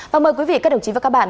và mời quý vị các đồng chí và các bạn